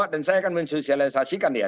dan saya akan mensosialisasikan dia